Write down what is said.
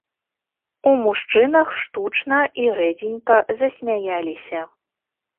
У мужчынах штучна і рэдзенька засмяяліся.